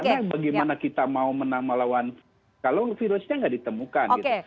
karena bagaimana kita mau menang maulawan kalau virusnya nggak ditemukan gitu